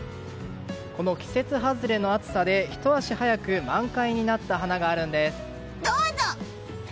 この季節外れの暑さでひと足早く満開になった花があるんです。